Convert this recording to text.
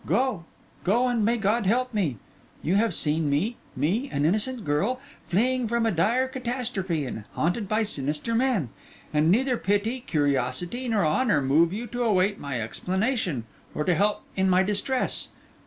'Go! go, and may God help me! You have seen me—me, an innocent girl! fleeing from a dire catastrophe and haunted by sinister men; and neither pity, curiosity, nor honour move you to await my explanation or to help in my distress.